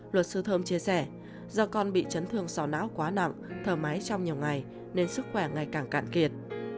luật sư thơm chia sẻ do con bị chấn thương sỏ náo quá nặng thở mái trong nhiều ngày nên sức khỏe ngày càng cạn kiệt